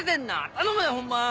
頼むでホンマ！